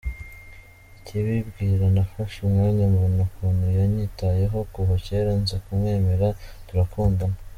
Akibimbwira nafashe umwanya mbona ukuntu yanyitayeho kuva cyera nza kumwemerera turakundana.